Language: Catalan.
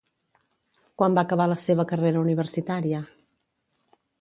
Quan va acabar la seva carrera universitària?